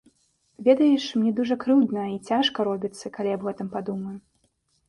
Ведаеш, мне дужа крыўдна і цяжка робіцца, калі аб гэтым падумаю.